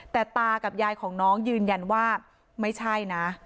แต่ตากับยายของน้องยืนยันว่าไม่ใช่นะ